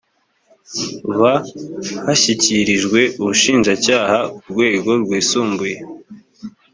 bhashyikirijwe ubushinjacyaha ku rwego rwisumbuye